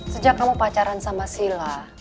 sejak kamu pacaran sama sila